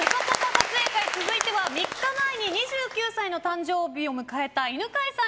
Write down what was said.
撮影会、続いては３日前に２９歳の誕生日を迎えた犬飼さん